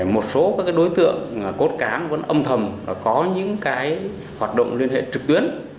một số các đối tượng cốt cán vẫn âm thầm có những hoạt động liên hệ trực tuyến